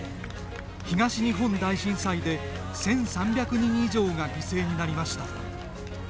東日本大震災で１３００人以上が犠牲になりました。